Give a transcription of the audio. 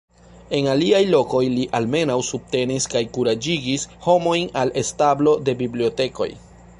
En aliaj lokoj li almenaŭ subtenis kaj kuraĝigis homojn al establo de bibliotekoj.